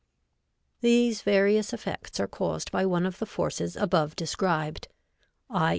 These various effects are caused by one of the forces above described, _i.